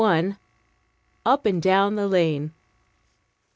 UP AND DOWN THE LANE.